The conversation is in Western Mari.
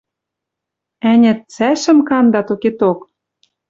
Ӓнят, цӓшӹм-канда токеток.